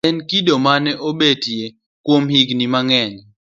mae en kido mane obetie kuom higni mang'eny